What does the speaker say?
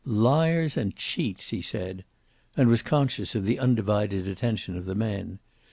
"Liars and cheats," he said. And was conscious of the undivided attention of the men.